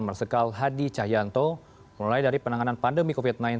marsikal hadi cahyanto mulai dari penanganan pandemi covid sembilan belas